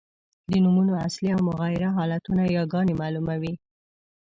د نومونو اصلي او مغیره حالتونه یاګاني مالوموي.